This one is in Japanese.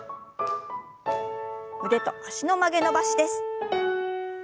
腕と脚の曲げ伸ばしです。